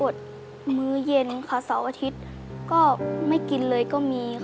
อดมื้อเย็นค่ะเสาร์อาทิตย์ก็ไม่กินเลยก็มีค่ะ